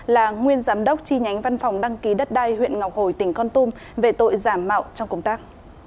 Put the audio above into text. là nguyên giám đốc chi nhánh văn phòng đăng ký đất đai huyện ngọc hồi tỉnh con tum về tội giả mạo trong công tác